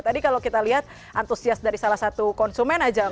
tadi kalau kita lihat antusias dari salah satu konsumen aja